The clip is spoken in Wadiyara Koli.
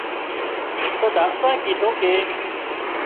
تو ڊاڪٽرانئي ڪيڌون ڪي